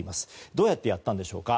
どうやってやったんでしょうか。